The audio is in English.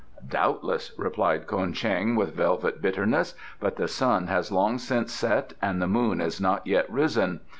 "Doubtless," replied Ko'en Cheng, with velvet bitterness: "but the sun has long since set and the moon is not yet risen.